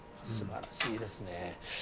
素晴らしいですね。